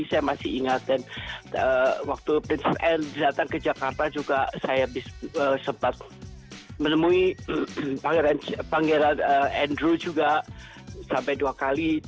saya masih ingat dan waktu prince and datang ke jakarta juga saya sempat menemui pangeran andrew juga sampai dua kali